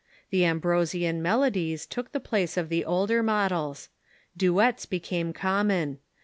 The Ambrosian melodies took the place of the older models. Duets became common.